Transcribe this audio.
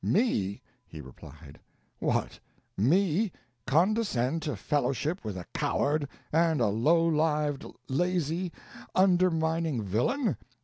"Me," he replied, "what, me, condescend to fellowship with a coward, and a low lived, lazy, undermining villain?